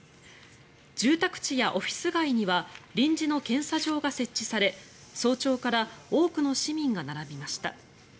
住宅地やオフィス街には臨時の検査場が設置され早朝から多くの市民が並びました。